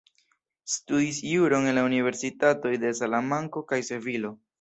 Studis juron en la universitatoj de Salamanko kaj Sevilo.